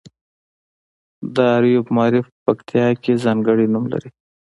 د اریوب معارف پکتیا کې ځانګړی نوم لري.